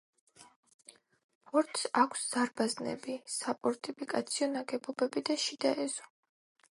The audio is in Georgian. ფორტს აქვს ზარბაზნები, საფორტიფიკაციო ნაგებობები და შიდა ეზო.